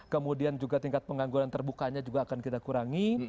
kemudian juga tingkat pengangguran terbukanya juga akan kita kurangi